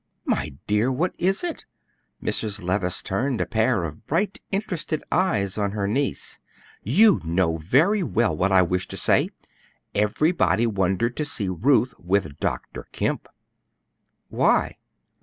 "My dear, what is it?" Mrs. Levice turned a pair of bright, interested eyes on her niece. "You know very well what I wish to say: everybody wondered to see Ruth with Dr. Kemp." "Why?"